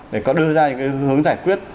để có đưa ra những cái hướng giải quyết